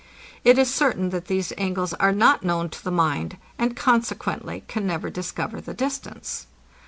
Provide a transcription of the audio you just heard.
It is certain, that these angles are not known to the mind, and consequently can never discover the distance.